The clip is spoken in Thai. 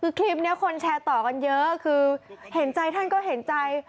คือคลิปนี้คนแชร์ต่อกันเยอะคือเห็นใจท่านก็เห็นใจ